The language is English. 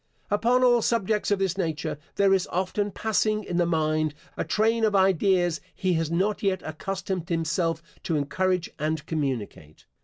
Upon all subjects of this nature, there is often passing in the mind, a train of ideas he has not yet accustomed himself to encourage and communicate.